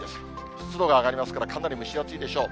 湿度が上がりますから、かなり蒸し暑いでしょう。